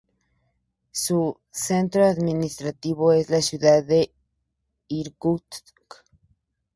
Su centro administrativo es la ciudad de Irkutsk.